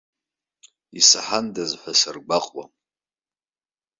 Исаҳандаз ҳәа саргәаҟуам.